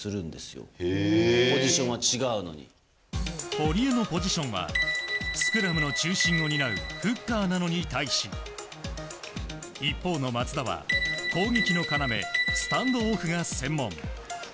堀江のポジションはスクラムの中心を担うフッカーなのに対し一方の松田は攻撃の要スタンドオフが専門。